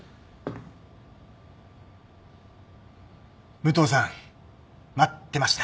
武藤さん待ってました。